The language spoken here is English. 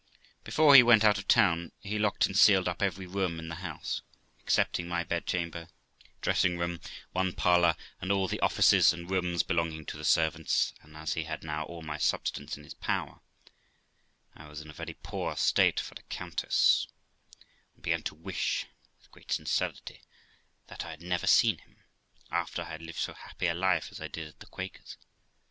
Before he went out of town he locked and sealed up every room in the house, excepting my bedchamber, dressing room, one parlour, and all the offices and rooms belonging to the servants; and, as he had now all my substance in his power, I was in a very poor state for a countess, and began to wish, with great sincerity, that I had never seen him, after I had lived so happy a life as I did at the Quaker's.